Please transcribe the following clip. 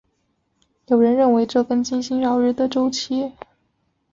有人认为这跟金星绕日的周期。